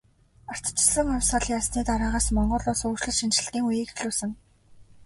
Ардчилсан хувьсгал ялсны дараагаас Монгол улс өөрчлөлт шинэчлэлтийн үеийг эхлүүлсэн.